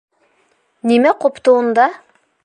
— Нимә ҡупты унда?